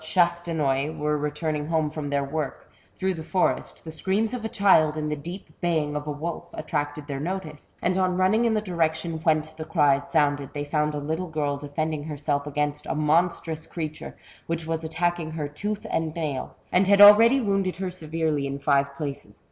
Chastenoy were returning home from their work, throngli the forest, the screams of a child and the deep baying of a wolf, attracted their notice, and on running in the direction whence the cries sounded, they fonnd a little girl defending herself against a monstrous creature, which was attacking her tooth and nail, and had already wounded her severely in five places.